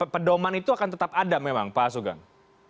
perdoman itu akan tetap ada memang pak asugang